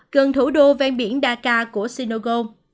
gần thủ đô ven biển dakar của senegal